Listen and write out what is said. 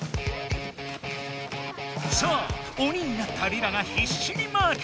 さあ鬼になったリラがひっしにマーク。